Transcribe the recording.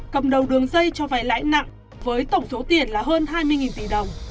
cầm đầu đường dây cho vay lãi nặng với tổng số tiền là hơn hai mươi tỷ đồng